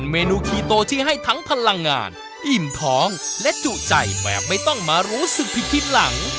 แม้ไม่ต้องมารู้สึกผิดหลัง